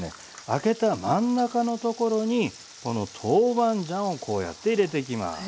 あけた真ん中のところにこの豆板醤をこうやって入れていきます。